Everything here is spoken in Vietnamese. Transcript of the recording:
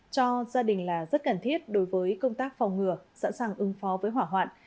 cho gia đình là rất cần thiết đối với công tác phòng ngừa sẵn sàng ứng phó với hỏa hoạn